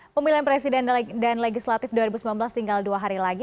pemilihan presiden dan legislatif dua ribu sembilan belas tinggal dua hari lagi